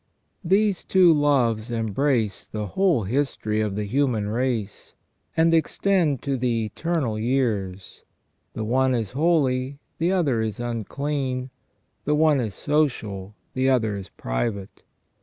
These two loves embrace the whole history of the human race, and extend to the eternal years ; the one is holy, the other is unclean ; the one is social, the other is private.